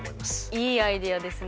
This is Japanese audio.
いいアイデアですね。